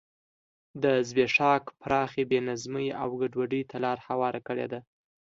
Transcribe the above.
زبېښاک پراخې بې نظمۍ او ګډوډۍ ته لار هواره کړې ده.